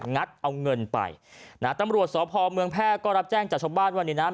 งัดเอาเงินไปตำรวจศพเมืองแพร่ก็รับแจ้งจากช้อบ้านวรรณีน้ำ